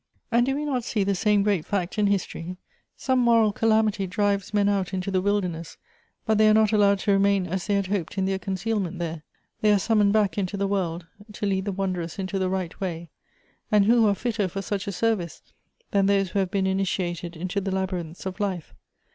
And do wo not see the same great fact in history ? some moral calamity drives men out into tiie wilderness, but they are not .allowed to remain as they had hoped in their concealment there. They are summoned back into the world, to lead the wanderers into the right way ; and who .are fitter for such a sei vice, than those who have been initiated into the labyrinths of life